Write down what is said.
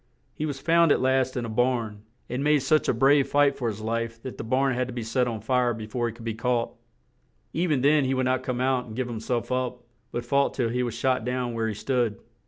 He was found at last in a barn, and made such a brave fight for his life that the barn had to be set on fire be fore he could be caught; e ven then he would not come out and give him self up; but fought till he was shot down where he stood.